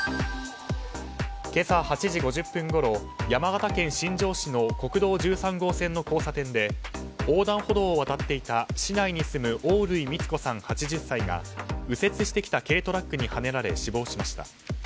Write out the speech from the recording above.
今朝８時５０分ごろ山形県新庄市の国道１３号線の交差点で横断歩道を渡っていた市内に住む大類光子さん、８０歳が右折してきた軽トラックにはねられ死亡しました。